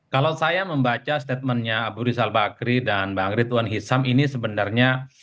kalau saya membaca statementnya abu rizal bakri dan bang ritwan hisap ini sebenarnya